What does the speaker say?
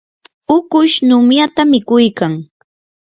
ukush numyata mikuykan.